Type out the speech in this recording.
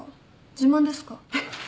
自慢ですか？